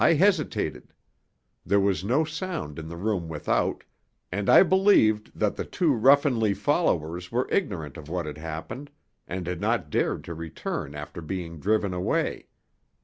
I hesitated. There was no sound in the room without, and I believed that the two ruffianly followers were ignorant of what had happened, and had not dared to return after being driven away.